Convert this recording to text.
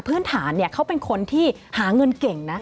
เพื่อนฐานเขาเป็นคนที่หาเงินเก่งนะ